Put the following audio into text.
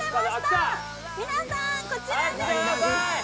皆さん、こちらです！